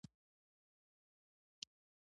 خوښ انسانان نړۍ ته ښه لید لري .